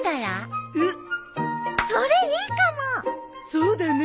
そうだね。